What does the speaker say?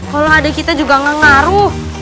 kalau ada kita juga gak ngaruh